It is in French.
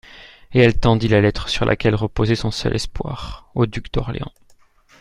Et elle tendit la lettre, sur laquelle reposait son seul espoir, au duc d'Orléans.